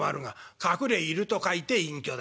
隠れ居ると書いて隠居だ。